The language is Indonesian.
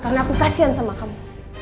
karena aku kasian sama kamu